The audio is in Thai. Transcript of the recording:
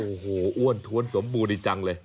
โอ้โหอ้วนท้วนสมบูรณ์ดีจังเลย